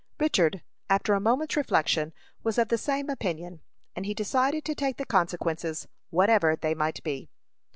Richard, after a moment's reflection, was of the same opinion, and he decided to take the consequences, whatever they might be.